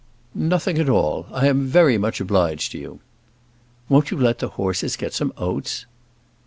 "Nothing at all, I am very much obliged to you." "Won't you let the horses get some oats?"